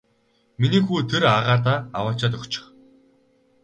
Миний хүү тэр агаадаа аваачаад өгчих.